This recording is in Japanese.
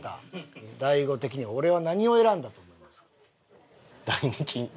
大悟的には俺は何を選んだと思いますか？